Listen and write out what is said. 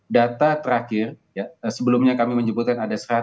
data terakhir sebelumnya kami menyebutkan ada satu ratus lima belas